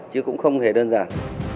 chứ cũng không thể đơn giản